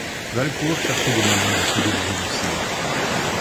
Valcourt cherchait des moyens de la sauver du génocide.